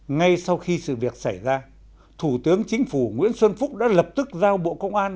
ngay sau khi sự việc xảy ra thủ tướng chính phủ nguyễn xuân phúc đã lập tức giao bộ công an